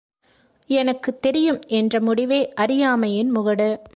எனக்குத் தெரியும் என்ற முடிவே அறியாமையின் முகடு.